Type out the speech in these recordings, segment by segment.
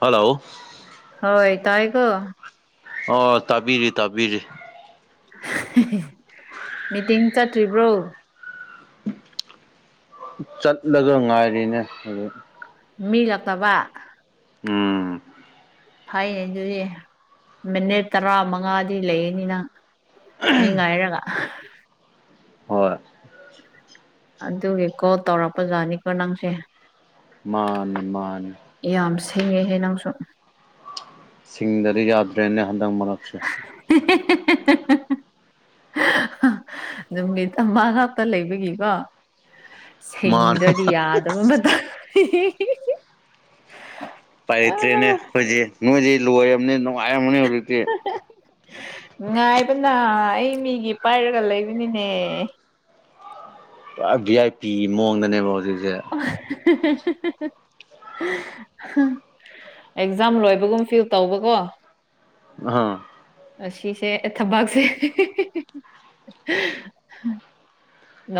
hello ꯍꯣꯏ ꯇꯥꯏꯀꯣ ꯑꯣ ꯇꯥꯕꯤꯔꯤ ꯇꯥꯕꯤꯔꯤ ꯃꯤꯇꯤꯡ ꯆꯠꯇ꯭ꯔꯤꯕ꯭ꯔꯣ ꯆꯠꯂꯒ ꯉꯥꯏꯔꯤꯅꯦ ꯑꯗꯨ ꯃꯤ ꯂꯥꯛꯇꯕ ꯎꯝ ꯐꯩꯌꯦ ꯑꯗꯨꯗꯤ ꯃꯤꯅꯤꯠ ꯇꯔꯥ ꯃꯉꯥꯗꯤ ꯂꯩꯅꯤꯅ ꯃꯤ ꯉꯥꯏꯔꯒ ꯍꯣꯏ ꯑꯗꯨꯒꯤ ꯀꯣꯜ ꯇꯧꯔꯛꯄꯖꯥꯠꯅꯤꯀꯣ ꯅꯪꯁꯦ ꯃꯥꯅꯤ ꯃꯥꯅꯤ ꯌꯥꯝ ꯁꯤꯡꯉꯦꯍꯦ ꯅꯪꯁꯨ ꯁꯤꯡꯗꯗꯤ ꯌꯥꯗ꯭ꯔꯦꯅꯦ ꯍꯟꯗꯛ ꯃꯔꯛꯁꯤ [unintelligible] ꯅꯨꯃꯤꯠ ꯑꯃꯥ ꯉꯞꯇ ꯂꯩꯕꯒꯤꯀꯣ ꯃꯥꯅ ꯁꯤꯡꯗ꯭ꯔꯗꯤ ꯌꯥꯗꯕ ꯃꯇꯝ ꯑ ꯄꯥꯏꯔꯇ꯭ꯔꯦꯅꯦ ꯑꯩꯈꯣꯏꯁꯦ ꯅꯣꯏꯁꯤ ꯂꯣꯏꯔꯝꯅꯤ ꯅꯨꯡꯉꯥꯏꯔꯝꯃꯅꯤ ꯍꯧꯖꯤꯛꯇꯤ ꯉꯥꯏꯕꯅ ꯑꯩ ꯃꯤꯒꯤ ꯄꯥꯏꯔꯒ ꯂꯩꯕꯅꯤꯅꯦ ꯚꯤ ꯑꯥꯏ ꯄꯤ ꯃꯑꯣꯡꯗꯅꯦꯕ ꯍꯧꯖꯤꯛꯁꯦ ꯑ ꯑꯦꯛꯖꯥꯝ ꯂꯣꯏꯕꯒꯨꯝ ꯐꯤꯜ ꯇꯧꯕꯀꯣ ꯑ ꯑꯁꯤꯁꯦ ꯊꯕꯥꯛꯁꯦ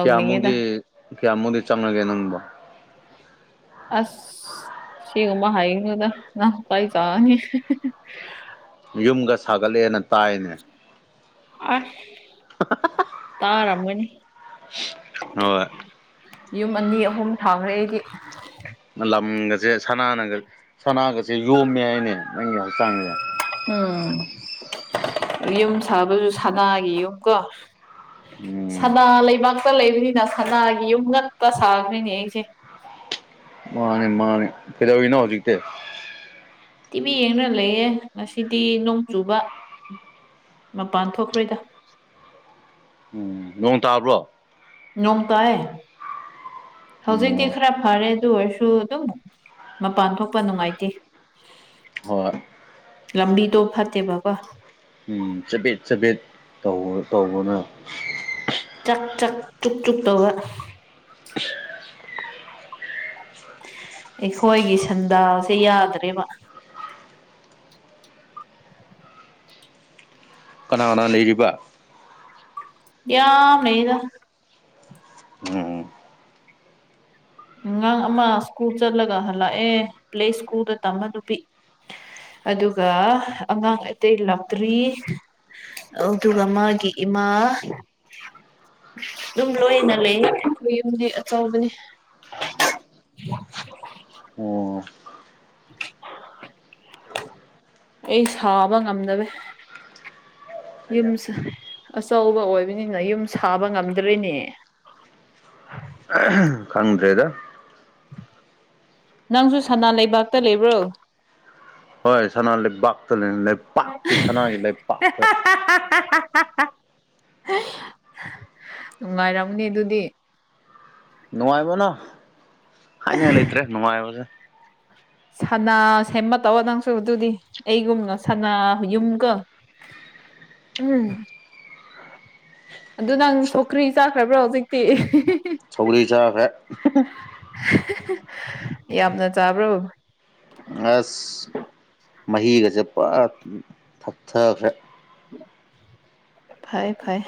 ꯀꯌꯥꯃꯨꯛꯗꯤ ꯀꯌꯥꯃꯨꯛꯗꯤ ꯆꯪꯉꯒꯦ ꯅꯪꯕꯣ ꯑꯁ ꯀꯤꯒꯨꯝꯕ ꯍꯥꯏꯌꯨꯅꯨꯗ ꯅꯁ ꯄꯥꯏ ꯆꯅꯤ ꯌꯨꯝꯒ ꯁꯥꯒꯠꯂꯦꯅ ꯇꯥꯏꯅꯦ ꯑꯁ ꯇꯥꯔꯃꯅꯤ ꯍꯣꯏ ꯌꯨꯝ ꯑꯅꯤ ꯑꯍꯨꯝ ꯁꯥꯡꯈ꯭ꯔꯦ ꯑꯩꯒꯤ ꯂꯝꯒꯁꯦ ꯁꯅꯥꯅꯒ ꯁꯅꯥꯒꯁꯦ ꯌꯣꯝꯃꯦ ꯍꯥꯏꯅꯦ ꯅꯪꯒꯤ ꯍꯛꯆꯥꯡꯁꯦ ꯎꯝ ꯌꯨꯝ ꯁꯥꯕꯁꯨ ꯁꯅꯥꯒꯤ ꯌꯨꯝ ꯀꯣ ꯎꯝ ꯁꯅꯥ ꯂꯩꯕꯥꯛꯇ ꯂꯩꯕꯅꯤꯅ ꯁꯅꯥꯒꯤ ꯌꯨꯝ ꯉꯛꯇ ꯁꯥꯈ꯭ꯔꯦꯅꯦ ꯑꯩꯁꯦ ꯃꯥꯅꯦ ꯃꯥꯅꯤ ꯀꯩꯗꯧꯔꯤꯅꯣ ꯍꯧꯖꯤꯛꯇꯤ ꯇꯤꯚꯤ ꯌꯦꯡꯗꯨꯅ ꯂꯩꯌꯦ ꯉꯁꯤꯗꯤ ꯅꯣꯡ ꯆꯨꯕ ꯃꯄꯥꯟ ꯊꯣꯛꯈ꯭ꯔꯣꯏꯗ ꯎꯝ ꯅꯣꯡ ꯇꯥꯕ꯭ꯔꯣ ꯅꯣꯡ ꯇꯥꯏ ꯍꯧꯖꯤꯛꯇꯤ ꯎꯝ ꯈꯔ ꯐꯔꯦ ꯑꯗꯨ ꯑꯣꯏꯔꯁꯨ ꯑꯗꯨꯝ ꯃꯄꯥꯟ ꯊꯣꯛꯄ ꯅꯨꯡꯉꯥꯏꯇꯦ ꯍꯣꯏ ꯂꯝꯕꯤꯗꯣ ꯐꯠꯇꯦꯕꯀꯣ ꯎꯝ ꯆꯕꯦꯠ ꯆꯕꯦꯠ ꯇꯧꯕ ꯇꯧꯕꯅ ꯆꯥꯛ ꯆꯥꯛ ꯆꯨꯛ ꯆꯨꯛ ꯇꯧꯕ ꯑꯩꯈꯣꯏꯒꯤ ꯁꯟꯗꯥꯁꯦ ꯌꯥꯗ꯭ꯔꯦꯕ ꯀꯅꯥ ꯀꯅꯥ ꯂꯩꯔꯤꯕ ꯌꯥꯝ ꯂꯩꯌꯦꯗ ꯎꯝ ꯑꯉꯥꯡ ꯑꯃ ꯁ꯭ꯀꯨꯜ ꯆꯠꯂꯒ ꯍꯂꯛꯑꯦ ꯄ꯭ꯂꯦ ꯁ꯭ꯀꯨꯜꯗ ꯇꯝꯕ ꯅꯨꯄꯤ ꯑꯗꯨꯒ ꯑꯉꯥꯡ ꯑꯇꯩ ꯂꯥꯛꯇ꯭ꯔꯤ ꯑꯗꯨꯒ ꯃꯥꯒꯤ ꯏꯃꯥ ꯑꯗꯨꯝ ꯂꯣꯏꯅ ꯂꯩ ꯑꯩꯈꯣꯏ ꯌꯨꯝꯗꯤ ꯑꯆꯧꯕꯅꯤ [unintelligible] ꯑꯣ ꯑꯩ ꯁꯥꯕ ꯉꯝꯗꯕꯦ ꯌꯨꯝꯁ ꯑꯆꯧꯕ ꯑꯣꯏꯕꯅꯤꯅ ꯌꯨꯝ ꯁꯥꯕ ꯉꯝꯗ꯭ꯔꯤꯅꯦ ꯑ ꯈꯪꯗ꯭ꯔꯦꯗ ꯅꯪꯁꯨ ꯁꯅꯥ ꯂꯩꯕꯥꯛꯇ ꯂꯩꯕ꯭ꯔꯣ ꯍꯣꯏ ꯁꯅꯥ ꯂꯩꯕꯥꯛꯇ ꯂꯩꯄꯥꯛꯀꯤ ꯁꯅꯥꯒꯤ ꯂꯩꯄꯥꯛꯇ [inaudible] ꯅꯨꯡꯉꯥꯏꯔꯝꯅꯦ ꯑꯗꯨꯗꯤ ꯅꯨꯡꯉꯥꯏꯕꯅ ꯍꯥꯏꯅꯤꯡꯉꯥꯏ ꯂꯩꯇ꯭ꯔꯦ ꯅꯨꯡꯉꯥꯏꯕꯁꯦ ꯁꯥꯅꯥ ꯁꯦꯝꯃ ꯇꯧꯕ ꯅꯪꯁꯨ ꯑꯗꯨꯗꯤ ꯑꯩꯒꯨꯝꯅ ꯁꯅꯥ ꯌꯨꯝꯒ ꯎꯝ ꯑꯗꯨ ꯅꯪ ꯁꯣꯈ꯭ꯔꯤ ꯆꯥꯈ꯭ꯔꯕ꯭ꯔꯣ ꯍꯧꯖꯤꯛꯇꯤ ꯁꯧꯔꯤ ꯆꯈꯦ ꯌꯥꯝꯅ ꯆꯥꯕ꯭ꯔꯣ ꯑꯁ ꯃꯍꯤꯒꯁꯦ ꯄꯨꯔꯥ ꯊꯛꯊꯈ꯭ꯔꯦ ꯐꯩ ꯐꯩ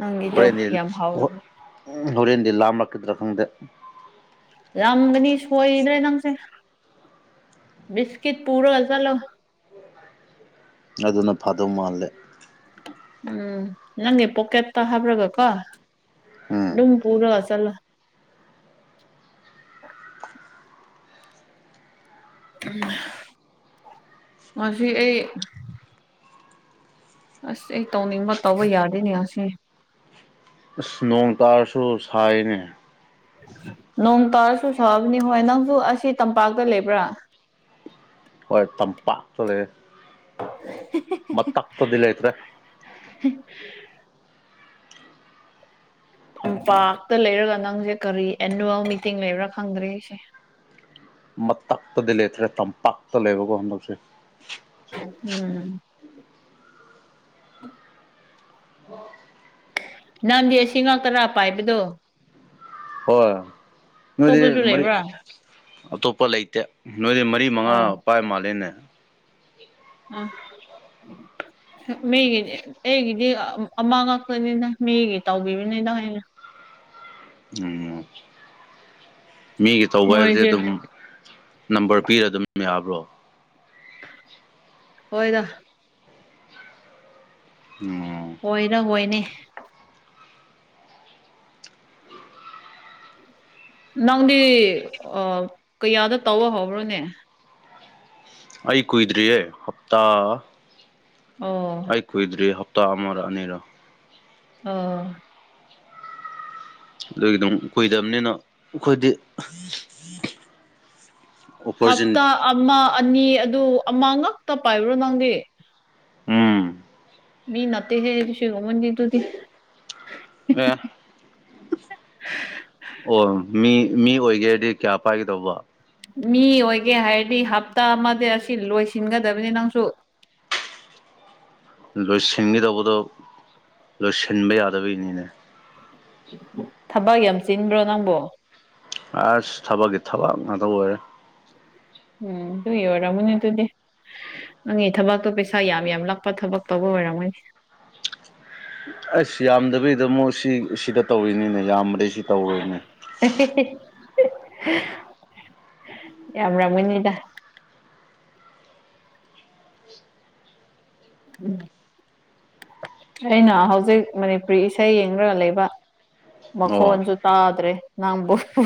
ꯅꯪꯒꯤꯗꯣ ꯍꯣꯔꯦꯟꯗꯤ ꯌꯥꯝ ꯍꯥꯎꯔꯝꯅꯤ ꯍꯣꯔꯦꯟꯗꯤ ꯂꯥꯝꯂꯛꯀꯗ꯭ꯔꯥ ꯈꯪꯗꯦ ꯌꯥꯝꯒꯅꯤ ꯁꯣꯏꯗ꯭ꯔꯦ ꯅꯪꯁꯦ ꯕꯤꯁꯀꯤꯠ ꯄꯨꯔꯒ ꯆꯠꯂꯣ ꯑꯗꯨꯅ ꯐꯥꯗꯧ ꯃꯥꯜꯂꯦ ꯎꯝ ꯅꯪꯒꯤ ꯄꯣꯀꯦꯠꯇ ꯍꯥꯕ꯭ꯔꯒ ꯀꯣ ꯎꯝ ꯑꯗꯨꯝ ꯄꯨꯔꯒ ꯆꯠꯜꯂꯣ ꯃꯁꯤ ꯑꯩ ꯑꯁ ꯑꯩ ꯇꯧꯅꯤꯡꯕ ꯇꯧꯕ ꯌꯥꯗꯦꯅꯦ ꯉ ꯁꯤ ꯅꯣꯡ ꯇꯥꯔꯁꯨ ꯁꯥꯏꯅꯦ ꯅꯣꯡ ꯇꯥꯔꯁꯨ ꯁꯛꯑꯕꯅꯤ ꯍꯣꯏ ꯅꯪꯁꯨ ꯑꯁꯤ ꯇꯝꯄꯥꯛꯇ ꯂꯩꯕ꯭ꯔꯥ ꯍꯣꯏ ꯇꯝꯄꯥꯛꯇ ꯂꯩꯦ [inaudible] ꯃꯠ ꯑꯥꯛꯇꯗꯂ ꯑꯩꯇ꯭ꯔꯦ [inaudible] ꯏꯝꯄꯥꯛꯇ ꯂꯩꯔꯒ ꯅꯪꯁꯦ ꯀꯔꯤ ꯑꯦꯅꯨꯋꯦꯜ ꯃꯤꯇꯤꯡ ꯂꯩꯕ꯭ꯔꯥ ꯈꯪꯗ꯭ꯔꯦ ꯑꯩꯁꯦ ꯃꯇꯛꯇꯗꯤ ꯂꯩꯇ꯭ꯔꯦ ꯇꯝꯄꯥꯛꯇ ꯂꯩꯕꯒꯣ ꯍꯟꯗꯣꯛꯁꯦ ꯎꯝ ꯅꯍꯪꯗꯤ ꯑꯁꯤ ꯑꯁꯤ ꯉꯥꯛ ꯇꯔꯥ ꯄꯥꯏꯕꯗꯣ ꯍꯣꯏ ꯅꯣꯏꯗꯤ ꯑꯇꯣꯞꯄꯁꯨ ꯃ ꯂꯩꯕ꯭ꯔꯥ ꯑꯇꯣꯞꯄ ꯂꯩꯇꯦ ꯅꯣꯏꯗꯤ ꯃꯔꯤ ꯃꯉꯥ ꯑꯣ ꯄꯥꯏ ꯃꯥꯜꯂꯦꯅꯦ ꯑ ꯃꯦꯒꯤ ꯑꯩꯒꯤꯗꯤ ꯑꯃꯥꯡ ꯉꯥꯛꯄꯅꯤꯅ ꯃꯤꯒꯤ ꯇꯧꯕꯤꯕꯅꯤꯗ ꯍꯥꯏꯅ ꯎꯝ ꯃꯤꯒꯤ ꯇꯧꯕ ꯍꯥꯏꯕꯁꯦ ꯃꯣꯏꯁꯦ ꯑꯗꯨꯝ ꯅꯝꯕꯔ ꯄꯤꯔ ꯑꯗꯨꯝ ꯌꯥꯕ꯭ꯔꯣ ꯑꯣꯏꯣꯏꯗ ꯑꯣ ꯀꯔ ꯀꯣꯏꯅꯤ ꯅꯪꯗꯤ ꯀꯌꯥꯗ ꯇꯧꯕ ꯍꯧꯧꯕ꯭ꯔꯣꯅꯦ ꯑꯩ ꯀꯨꯏꯗ꯭ꯔꯤꯑꯦ ꯍꯞꯇꯥ ꯑꯣ ꯑꯩ ꯀꯨꯏꯗ꯭ꯔꯤ ꯍꯞꯇꯥ ꯑꯃꯔꯛ ꯑꯅꯤꯔꯣ ꯑꯣ ꯑꯗꯨꯒꯤ ꯑꯗꯨꯝ ꯀꯨꯏꯗꯕꯅꯤꯅ ꯑꯩꯈꯣꯏꯗꯤ ꯍꯞꯇꯥ ꯑꯣꯄꯣꯔꯆꯨꯅꯤꯇꯤ ꯑꯃ ꯑꯅꯤ ꯑꯗꯨ ꯑꯃ ꯉꯛꯇ ꯄꯥꯏꯕ꯭ꯔꯣ ꯅꯪꯗꯤ ꯎꯝ ꯃꯤ ꯅꯠꯇꯦ ꯍꯦ ꯁꯤꯒꯃꯟ ꯌꯗꯣꯗꯤ ꯌꯥ [inaudible] ꯑꯣ ꯃꯤ ꯃꯤ ꯑꯣꯏꯒꯦꯔꯗꯤ ꯀꯌꯥ ꯄꯥꯏꯒꯗꯧꯕ ꯃꯤ ꯑꯣꯏꯒꯦ ꯍꯥꯏꯔꯗꯤ ꯍꯞꯇꯥ ꯑꯃꯗꯤ ꯑꯁꯤ ꯂꯣꯏꯁꯤꯟꯒꯗꯕꯅꯤ ꯅꯪꯁꯨ ꯂꯣꯏꯁꯤꯟꯈꯤꯗꯧꯕꯗꯣ ꯂꯣꯏꯁꯤꯟꯕ ꯌꯥꯗꯕꯩꯅꯤꯅꯦ ꯊꯕꯛ ꯌꯥꯝ ꯆꯤꯟꯕ꯭ꯔꯣ ꯅꯪꯕꯣ ꯑ ꯊꯕꯛꯒꯤ ꯊꯕꯛ ꯉꯥꯛꯇ ꯑꯣꯏꯔꯦ ꯎꯝ ꯇ ꯌ ꯋꯥꯔ ꯃꯅꯤ ꯑꯗꯨꯗꯤ ꯅꯪꯉ ꯊꯕꯛꯇꯣ ꯄꯩꯁꯥ ꯌꯥꯝ ꯌꯥꯝ ꯂꯥꯛꯄ ꯊꯕꯛ ꯇꯧꯕ ꯑꯣꯏꯔꯝꯒꯅꯤ ꯑꯁ ꯌꯥꯝꯗꯕꯩꯗ ꯑꯃꯨꯛ ꯁꯤ ꯁꯤꯗ ꯇꯧꯔꯤꯅꯤꯅꯦ ꯌꯥꯝꯕꯩ ꯁꯤ ꯇꯧꯔꯣꯏꯅꯦ ꯌꯥꯝꯔꯥꯃꯤꯅꯤꯗ ꯎꯝ ꯑꯩꯅ ꯍꯧꯖꯤꯛ ꯃꯅꯤꯄꯨꯔꯤ ꯏꯁꯩ ꯌꯦꯡꯂꯡꯒ ꯂꯩꯕ ꯑꯣ ꯃꯈꯣꯟꯁꯨ ꯇꯥꯗ꯭ꯔꯦ ꯅꯪ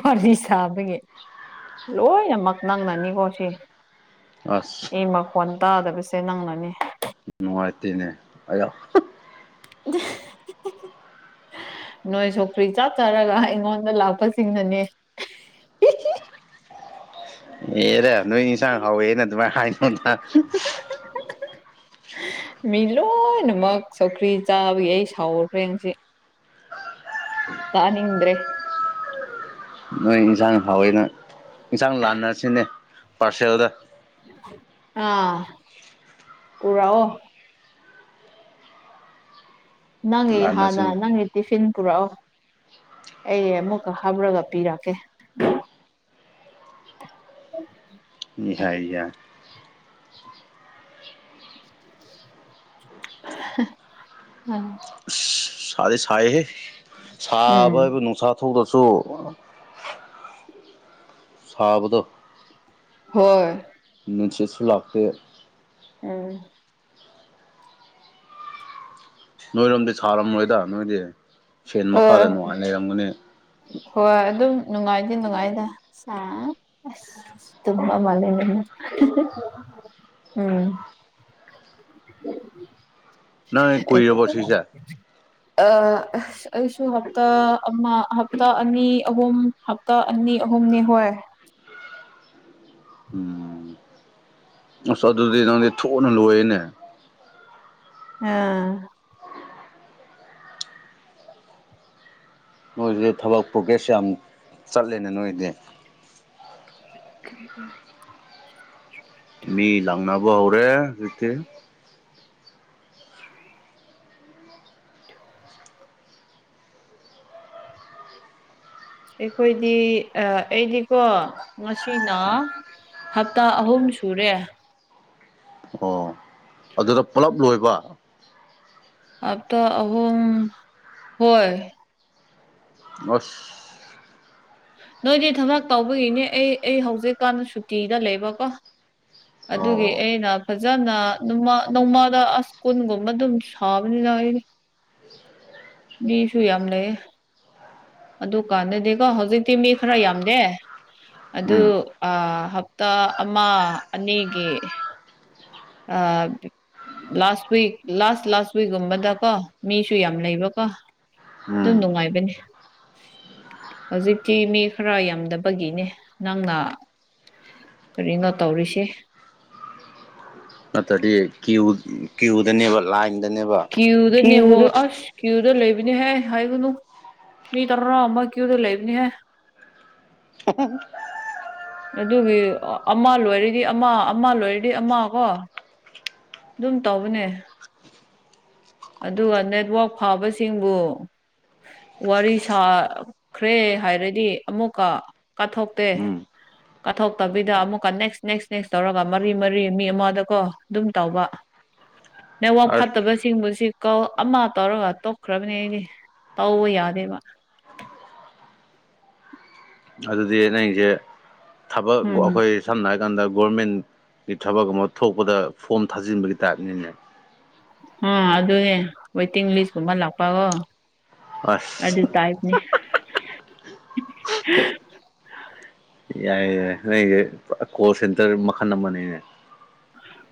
ꯋꯥꯗꯤ ꯁꯥꯕꯒꯤ ꯂꯣꯏꯅꯃꯛ ꯅꯪꯅꯅꯤꯀꯣ ꯁꯤ ꯑꯁ ꯑꯩ ꯃꯈꯣꯟ ꯇꯥꯗꯕꯁꯦ ꯅꯪꯅꯅꯤ ꯅꯨꯡꯉꯥꯏꯇꯦꯅꯦ ꯑ [inaudible] ꯅꯣꯏ ꯁꯀ꯭ꯔꯤ ꯆꯥꯆꯔꯒ ꯑꯩꯉꯣꯟꯗ ꯂꯥꯛꯄꯁꯤꯡꯅꯅꯦ ꯑꯦꯔꯦ ꯅꯣꯏ ꯅꯤꯡꯁꯥꯡ ꯍꯅ ꯑꯗꯨꯃꯥꯏ ꯍꯥꯏꯅ ꯃꯤ ꯂꯣꯏꯅꯃꯛ ꯆꯧꯈ꯭ꯔꯤ ꯆꯥꯕꯒꯤ ꯑꯩ ꯁꯥꯎꯈ꯭ꯔꯦꯁꯤ ꯇꯅꯤꯗ꯭ꯔꯦ ꯅꯣꯏ ꯏꯟꯁꯥꯡ ꯍꯥꯎꯋꯦꯅ ꯏꯟꯁꯥꯡ ꯂꯥꯟꯅꯔꯁꯤꯅꯦ ꯄꯥꯔꯁꯦꯜꯗ ꯑꯥ ꯄꯨꯔ ꯑꯣ ꯅꯪ ꯍꯅ ꯂꯥꯟꯅꯁꯤꯅꯦ ꯅꯪ ꯇꯤꯐꯤꯟ ꯄꯨꯔꯛꯑꯣ ꯑꯩ ꯑꯃꯨꯛꯀ ꯍꯥꯞꯔꯒ ꯄꯤꯔꯛꯀꯦ ꯎ [unintelligible] ꯎꯝ ꯁꯥꯗꯤ ꯁꯥꯏꯍꯦ ꯁꯥꯕ ꯎꯝ ꯍꯥꯏꯕꯨ ꯅꯨꯡꯁꯥ ꯊꯣꯛꯗ꯭ꯔꯁꯨ ꯁꯕꯗꯣ ꯍꯣꯏ ꯅꯁꯁꯨ ꯂꯥꯛꯐꯦ ꯎꯝ ꯅꯣꯏꯔꯣꯝꯗꯤ ꯁꯥꯔꯝꯔꯣꯏꯗ ꯅꯣꯏꯗꯤ ꯐꯦꯟ ꯃꯈꯥꯗ ꯑ ꯅꯨꯡꯉꯥꯏꯅ ꯂꯩꯔꯝꯒꯅꯤ ꯍꯣꯏ ꯑꯗꯨꯝ ꯅꯨꯡꯉꯥꯏꯗꯤ ꯅꯨꯡꯉꯥꯏꯗ ꯑꯁ ꯇꯨꯝꯃ ꯃꯥꯂꯅ ꯎꯝ ꯅꯪ ꯀꯨꯏꯔꯕꯣ ꯁꯤꯁꯦ ꯑꯥ ꯑꯩꯁꯨ ꯍꯞꯇꯥ ꯑꯃ ꯍꯞꯇꯥ ꯑꯅꯤ ꯑꯍꯨꯝ ꯍꯞꯇꯥ ꯑꯅꯤ ꯑꯍꯨꯝꯅꯤ ꯍꯣꯏ ꯎꯝ ꯑꯁ ꯑꯗꯨꯗꯤ ꯅꯪꯗꯤ ꯊꯨꯅ ꯂꯣꯏꯌꯦꯅꯦ ꯑꯥ ꯅꯣꯏꯁꯤꯗ ꯊꯕꯛ ꯄ꯭ꯔꯣꯒꯦꯁ ꯌꯥꯝ ꯆꯠꯂꯦꯅꯦ ꯅꯣꯏꯗꯤ ꯎꯝ ꯎꯝ ꯃꯤ ꯂꯥꯡꯅꯕꯅꯕ ꯍꯧꯔꯦ ꯍꯧꯖꯤꯛꯇ [inaudible] ꯑꯩꯈꯣꯏꯗꯤ ꯑꯩꯗꯤꯀꯣ ꯉꯁꯤꯅ ꯍꯞꯇꯥ ꯑꯍꯨꯝ ꯁꯨꯔꯦ ꯑꯣ ꯑꯗꯨꯗ ꯄꯨꯂꯞ ꯂꯣꯏꯕ ꯑꯇ ꯑꯍ ꯍꯣꯏ ꯑꯁ ꯅꯣꯏꯗꯤ ꯊꯕꯥꯛ ꯇꯧꯕꯒꯤꯅꯦ ꯑꯩ ꯑꯩ ꯍꯧꯖꯤꯛꯀꯥꯟꯗ ꯁꯨꯇꯤꯗ ꯂꯩꯕꯀꯣ ꯑꯣ ꯑꯗꯨꯒꯤ ꯑꯣ ꯑꯩꯅ ꯐꯖꯅ ꯅꯃ ꯅꯣꯡꯃꯥꯗ ꯑꯁ ꯀꯨꯟꯒꯨꯝꯕ ꯑꯗꯨꯝ ꯁꯥꯕꯅꯤꯅ ꯑꯩ ꯃꯤꯁꯨꯨꯏ ꯌꯥꯝ ꯂꯩ ꯑꯗꯨꯀꯥꯟꯗꯗꯤꯀꯣ ꯍꯧꯖꯤꯛꯇꯤ ꯃꯤ ꯈꯔ ꯌꯥꯝꯗꯦ ꯑꯗꯨ ꯎꯝ ꯍꯞꯇꯥ ꯑꯃ ꯑꯅꯤꯒꯤ ꯑ ꯂꯥꯁ ꯋꯤꯛ ꯂꯥꯁ ꯂꯥꯁ ꯋꯤꯛꯀꯨꯝꯕꯗ ꯀꯣ ꯃꯤꯁꯨ ꯌꯥꯝ ꯂꯩꯕꯀꯣ ꯑꯗꯨꯝ ꯎꯝ ꯅꯨꯡꯉꯥꯏꯕꯅꯤ ꯍꯧꯖꯤꯛꯇꯤ ꯃꯤ ꯈꯔ ꯌꯥꯝꯗꯕꯒꯤꯅꯦ ꯅꯪꯅ ꯀꯔꯤꯅꯣ ꯇꯧꯔꯤꯁꯦ ꯑꯠꯇꯗꯤ ꯀ꯭ꯌꯎ ꯀ꯭ꯌꯎꯗꯅꯦꯕ ꯂꯥꯛ ꯀꯎꯗꯅꯦꯍꯣ ꯑꯁ ꯀ꯭ꯌꯨꯗ ꯂꯩꯕꯅꯦꯍꯦ ꯍꯥꯏꯒꯨꯅꯨ ꯃꯤ ꯇꯔꯥ ꯑꯃ ꯀ꯭ꯌꯨꯗ ꯂꯩꯕꯅꯤꯍꯦ [inaudible] ꯑꯗꯨꯒꯤ ꯑꯃ ꯂꯣꯏꯔꯗꯤ ꯑꯃ ꯑꯃ ꯂꯣꯏꯔꯗꯤ ꯑꯃ ꯀꯣ ꯑꯗꯨꯝ ꯇꯧꯕꯅꯦ ꯑꯗꯨꯒ ꯅꯦꯠꯋꯥꯛ ꯐꯕꯁꯤꯡꯕꯨ ꯋꯥꯔꯤ ꯁꯥꯈ꯭ꯔꯦ ꯍꯥꯏꯔꯗꯤ ꯑꯃꯨꯛꯀ ꯀꯥꯊꯣꯛꯇꯦ ꯎꯝ ꯀꯠꯊꯣꯛꯇꯕꯤꯗ ꯑꯃꯨꯛꯀ ꯅꯦꯛꯁ ꯅꯦꯛꯁ ꯅꯦꯛꯁ ꯇꯧꯔꯒ ꯃꯔꯤ ꯃꯔꯤ ꯃꯤ ꯑꯃꯗꯀꯣ ꯑꯗꯨꯝ ꯇꯧꯕ [inaudible] ꯅꯋꯥꯛ ꯑꯁ ꯐꯠꯇꯕꯁꯤꯡꯕꯁꯤ ꯀꯧ ꯑꯃ ꯇꯧꯔꯒ ꯇꯣꯛꯈ꯭ꯔꯕꯅꯦ ꯑꯩꯗꯤ ꯇꯧꯕ ꯌꯥꯗꯦꯕ ꯑꯗꯨꯗꯤꯩꯅꯁꯦ ꯊꯕꯛ ꯎꯝ ꯑꯩꯈꯣꯏ ꯁꯝꯅ ꯍꯥꯏꯔꯀꯥꯟꯗ ꯒꯣꯔꯃꯦꯟꯒꯤ ꯊꯕꯛ ꯑꯃ ꯊꯣꯛꯄꯗ ꯐꯣꯝ ꯊꯥꯖꯤꯟꯕꯒꯤ ꯇꯥꯏꯞꯅꯤꯅꯦ ꯑꯥ ꯑꯗꯨꯅꯦ ꯋꯦꯇꯤꯡ ꯂꯤꯁꯀꯨꯝꯕ ꯂꯥꯛꯄꯒꯣ ꯑꯗꯨ ꯑꯁ ꯇꯥꯏꯗꯅꯦ ꯌꯥꯏ ꯌꯥꯏ ꯅꯣꯏꯁꯦ ꯀꯣ ꯁꯦꯟꯇꯔ ꯃꯈꯜ ꯑꯃꯅꯤꯅꯦꯅꯦ ꯎꯝ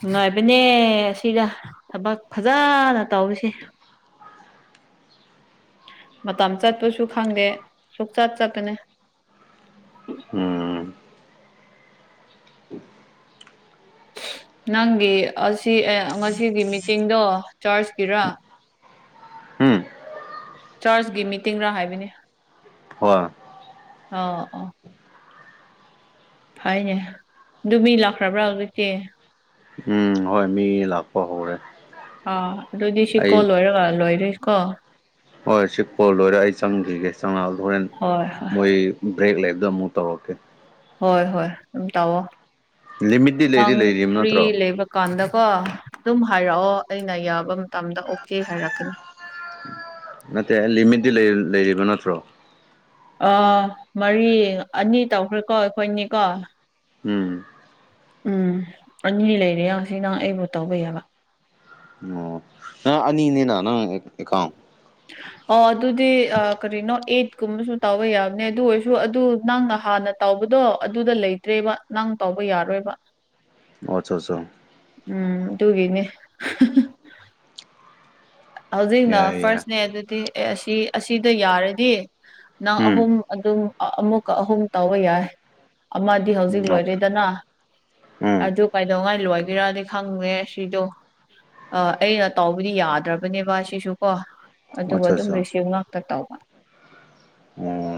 ꯅꯨꯡꯉꯥꯏꯕꯅꯦ ꯑꯁꯤꯒ ꯊꯕꯛ ꯐꯖꯅ ꯇꯧꯔꯤꯁꯦ ꯃꯇꯝ ꯆꯠꯄꯁꯨ ꯈꯪꯗꯦ ꯁꯨꯛꯆꯠ ꯆꯀꯅꯤ ꯎꯝ ꯅꯪꯒꯤ ꯑꯁꯤ ꯉꯁꯤꯒꯤ ꯃꯤꯇꯤꯡꯗꯣ ꯆꯔꯆꯀꯤꯔꯥ ꯎꯝ ꯆꯥꯔꯁꯒꯤ ꯃꯤꯇꯤꯡꯒ ꯍꯥꯏꯕꯅꯤ ꯍꯣꯏ ꯑꯣ ꯑꯣ ꯐꯩꯅꯦ ꯑꯗꯨ ꯃꯤ ꯂꯥꯛꯈ꯭ꯔꯕ꯭ꯔꯥ ꯍꯧꯖꯤꯛꯇꯤ ꯎꯝ ꯍꯣꯏ ꯃꯤ ꯂꯥꯛꯄ ꯍꯔ ꯑꯥ ꯑꯗꯨꯗꯤ ꯁꯤꯀꯣ ꯂꯣꯏꯔꯒ ꯂꯣꯏꯔꯣꯏꯁꯤꯀꯣ ꯍꯣꯏ ꯁꯤ ꯀꯣꯜ ꯂꯣꯏꯔꯦ ꯑꯩ ꯆꯪꯈꯤꯒꯦ ꯆꯪꯉꯛꯑ ꯍꯣꯔꯦꯟ ꯍꯣꯏ ꯍꯣꯏ ꯃꯣꯏ ꯭ꯔꯦꯛ ꯂꯥꯛꯛꯇ ꯃꯨ ꯇꯧ ꯑꯣꯀꯦ ꯍꯣꯏ ꯍꯣꯏ ꯑꯗꯨꯝ ꯇꯥꯛꯑꯣꯣ ꯂꯤꯃꯤꯠꯇꯤ ꯂꯩꯗꯤ ꯑꯥꯡ ꯂꯩꯔꯤꯕ ꯐꯔꯤ ꯅꯠꯇ꯭ꯔꯣ ꯂꯩꯕ ꯀꯥꯟꯗꯀꯣ ꯑꯗꯨꯝ ꯍꯥꯏꯔꯛꯑꯣ ꯑꯩꯅ ꯌꯥꯕ ꯃꯇꯝꯗ ꯑꯣꯀꯦ ꯍꯥꯏꯔꯛꯀꯅꯤ ꯅꯠꯇꯦ ꯂꯤꯃꯤꯠꯇꯤ ꯂꯩꯔꯤꯕ ꯅꯠꯇ꯭ꯔꯣ ꯑꯥ ꯃꯔꯤ ꯑꯅꯤ ꯇꯧꯈ꯭ꯔꯦꯀꯣ ꯑꯩꯈꯣꯏꯅꯤꯀꯣ ꯎꯝ ꯎꯝ ꯑꯅꯤ ꯂꯩꯔꯦ ꯌꯥ ꯁꯤ ꯅꯪ ꯑꯩꯕꯨ ꯇꯧꯕꯩꯑꯕ ꯑꯣ ꯑ ꯑꯅꯤꯅꯤꯅ [unintelligible] ꯑꯣ ꯑꯗꯨꯗꯤ ꯀꯔꯤꯅꯣ ꯑꯩꯠꯀꯨꯝꯕꯁꯨ ꯇꯥꯕ ꯌꯥꯕꯅꯦ ꯑꯗꯨ ꯑꯣꯏꯔꯁꯨ ꯑꯗꯨ ꯅꯪꯅ ꯍꯥꯟꯅ ꯇꯥꯎꯕꯗꯣ ꯑꯗꯨꯗ ꯂꯩꯇ꯭ꯔꯦꯕ ꯅꯪ ꯇꯥꯎꯕ ꯌꯥꯔꯣꯏꯕ ꯑꯠꯆꯥ ꯑꯠꯆꯥ ꯎꯝ ꯇꯨꯒꯅꯦ ꯍꯧꯖꯤꯛꯅ ꯌꯥꯏ ꯌꯥꯏ ꯐꯥꯔꯁꯅꯦ ꯑꯗꯨꯗꯤ ꯑꯦ ꯑꯁꯤ ꯑꯁꯤꯗ ꯌꯥꯔꯗꯤ ꯅꯪ ꯎꯝ ꯑꯍꯨꯝ ꯑꯗꯨꯝ ꯑꯃꯨꯛꯀ ꯑꯍꯨꯝ ꯇꯧꯕ ꯌꯥꯏ ꯑꯃꯗꯤ ꯍꯧꯖꯤꯛ ꯂꯣꯏꯔꯦꯗꯅ ꯑꯗꯨ ꯀꯩꯗꯧꯉꯥꯏ ꯂꯣꯏꯒꯦꯔꯗꯤ ꯈꯪꯉꯦ ꯁꯤꯗꯣ ꯑꯩꯅ ꯇꯥꯎꯕꯗꯤ ꯌꯥꯗ꯭ꯔꯕꯅꯦꯕ ꯁꯤꯁꯨ ꯀꯣ ꯑꯗꯨꯒ ꯑꯗꯨꯝ ꯔꯤꯁꯤꯞ ꯉꯥꯛꯇ ꯇꯧꯕ ꯑꯣꯝ